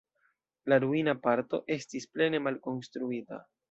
La ruina parto estis plene malkonstruita.